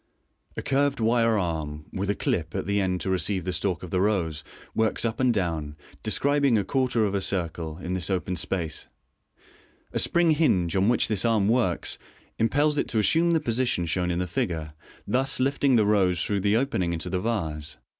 A curved wire arm, with a "clip" at the end to receive the stalk of the rose, works up and down, describing a quarter of a circle, in this open space. A spring hinge, on which this arm works, impels it to assume the position shown in the figure, thus lifting the rose through the opening into the vase.